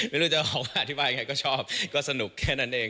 ไม่รู้จะออกมาอธิบายไงก็ชอบก็สนุกแค่นั้นเอง